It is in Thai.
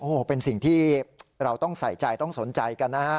โอ้โหเป็นสิ่งที่เราต้องใส่ใจต้องสนใจกันนะฮะ